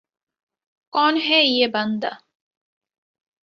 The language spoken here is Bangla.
কন হ্যায় ইয়ে বান্দা?